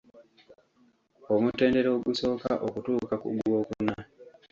Omutendera ogusooka okutuuka ku gwokuna.